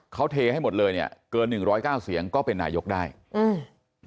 เขาเทให้หมดเลยเนี้ยเกินหนึ่งร้อยเก้าเสียงก็เป็นนายกได้อืม